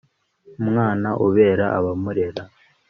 umwana ubera abamurera